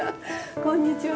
こんにちは。